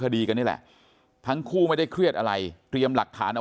คดีกันนี่แหละทั้งคู่ไม่ได้เครียดอะไรเตรียมหลักฐานเอา